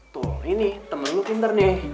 tuh ini temen lu pinter deh